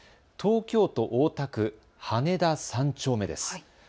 東京都大田区羽田３丁目です。